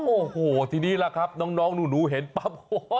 โอ้โหทีนี้ล่ะครับน้องหนูเห็นปั๊บ